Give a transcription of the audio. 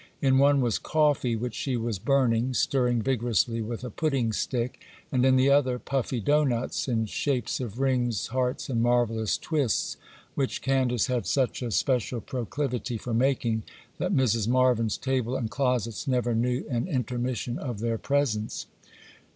In one was coffee, which she was burning, stirring vigorously with a pudding stick,—and in the other, puffy dough nuts, in shapes of rings, hearts, and marvellous twists, which Candace had such a special proclivity for making, that Mrs. Marvyn's table and closets never knew an intermission of their presence.